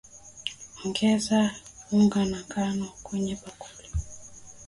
Ongeza unga wa ngano kwenye bakuli